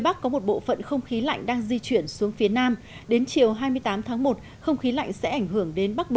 hãy đăng ký kênh để ủng hộ kênh của mình nhé